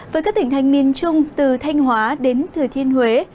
với các tỉnh thành miền trung từ thanh hóa đến thừa thiên huế